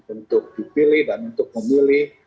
untuk dipilih dan untuk memilih